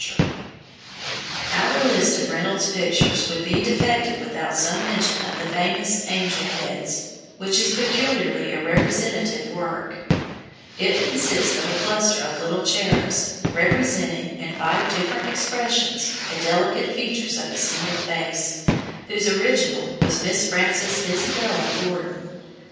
[Illustration: ANGEL HEADS. REYNOLDS.] Our list of Reynolds's pictures would be defective without some mention of the famous Angel Heads, which is peculiarly a representative work. It consists of a cluster of little cherubs, representing, in five different expressions, the delicate features of a single face, whose original was Miss Frances Isabella Gordon.